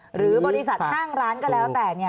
หรือบริษัทห้างร้านก็แล้วแต่